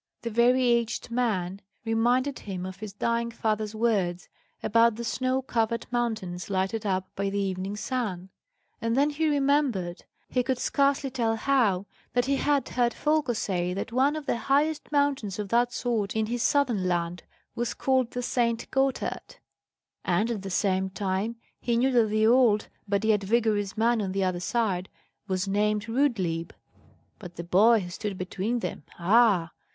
The very aged man reminded him of his dying father's words about the snow covered mountains lighted up by the evening sun; and then he remembered, he could scarcely tell how, that he had heard Folko say that one of the highest mountains of that sort in his southern land was called the St. Gotthard. And at the same time, he knew that the old but yet vigorous man on the other side was named Rudlieb. But the boy who stood between them ah!